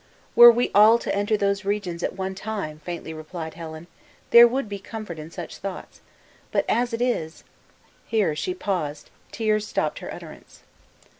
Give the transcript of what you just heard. "Were we all to enter those regions at one time," faintly replied Helen, "there would be comfort in such thoughts; but as it is " Here she paused; tears stopped her utterance.